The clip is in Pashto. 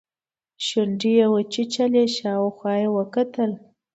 شونډې يې وچيچلې شاوخوا يې وکتل.